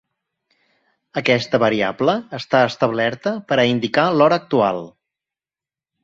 Aquesta variable està establerta per a indicar l'hora actual.